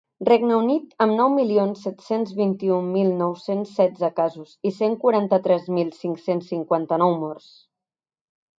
Regne Unit, amb nou milions set-cents vint-i-un mil nou-cents setze casos i cent quaranta-tres mil cinc-cents cinquanta-nou morts.